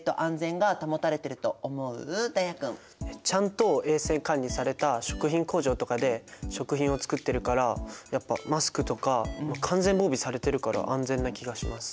ちゃんと衛生管理された食品工場とかで食品を作ってるからやっぱマスクとか完全防備されてるから安全な気がします。